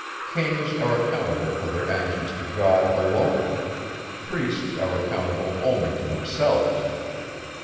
Kings are accountable for their actions to God alone; priests are accountable only to themselves.